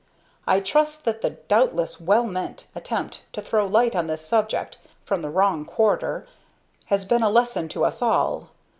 I trust that the doubtless well meant attempt to throw light on this subject from the wrong quarter has been a lesson to us all.